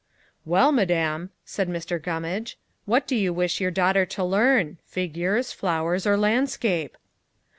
"Well, madam," said Mr. Gummage, "what do you wish your daughter to learn? figures, flowers, or landscape?"